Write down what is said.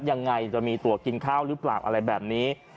ยังไงจะมีตัวกินข้าวหรือเปล่าอะไรแบบนี้